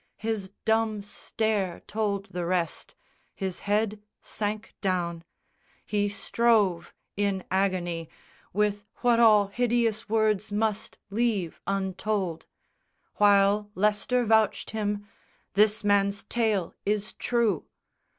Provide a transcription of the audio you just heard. His dumb stare told the rest: his head sank down; He strove in agony With what all hideous words must leave untold; While Leicester vouched him, "This man's tale is true!"